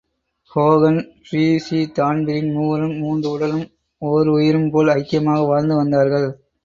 Hogan, Treacy, Dan Breen மூவரும் மூன்று உடலும் ஒருயிரும் போல் ஐக்கியமாக வாழ்ந்து வந்தார்கள்.